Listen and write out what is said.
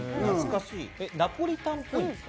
ナポリタンっぽいですか？